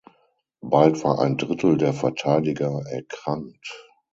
Bald war ein Drittel der Verteidiger erkrankt.